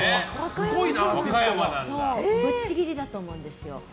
ぶっちぎりだと思うんですよ。